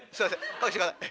勘弁してください。